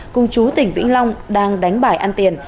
cùng chú tỉnh vĩnh long đang đánh bài ăn tiền